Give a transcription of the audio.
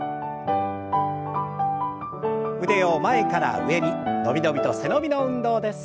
腕を前から上に伸び伸びと背伸びの運動です。